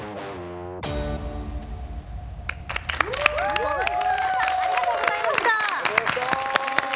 ＴＨＥＢＯＹＺの皆さんありがとうございました。